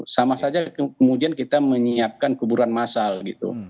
sama saja kemudian kita menyiapkan kuburan masal gitu